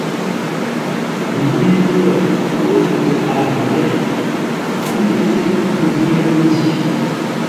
Nye-nzəpə ghó tə a ghyeʼé ə́ nděse ḿbyé məndǐ.